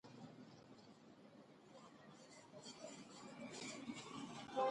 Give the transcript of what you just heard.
موږ ګازی بخاری ولګوله